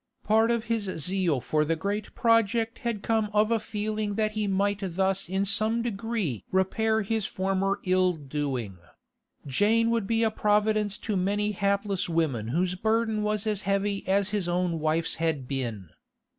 Part of his zeal for the great project had come of a feeling that he might thus in some degree repair his former ill doing; Jane would be a providence to many hapless women whose burden was as heavy as his own wife's had been.